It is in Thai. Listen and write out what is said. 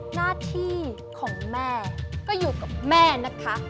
หน้าที่ของแม่ก็อยู่กับแม่นะคะ